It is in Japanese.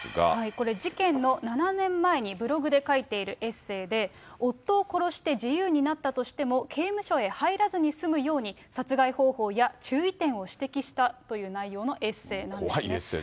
これ、事件の７年前にブログで書いているエッセーで、夫を殺して自由になったとしても、刑務所へ入らずに済むように殺害方法や注意点を指摘したという内怖いエッセーですよね。